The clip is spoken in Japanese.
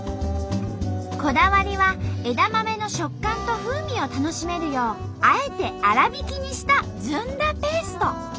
こだわりは枝豆の食感と風味を楽しめるようあえて粗びきにしたずんだペースト。